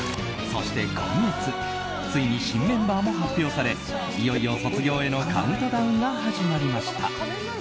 そして今月ついに新メンバーも発表されいよいよ卒業へのカウントダウンが始まりました。